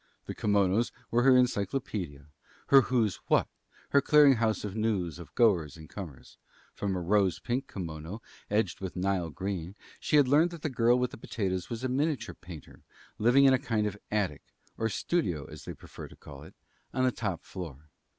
The kimonos were her encyclopedia, her "Who's What?" her clearinghouse of news, of goers and comers. From a rose pink kimono edged with Nile green she had learned that the girl with the potatoes was a miniature painter living in a kind of attic or "studio," as they prefer to call it on the top floor.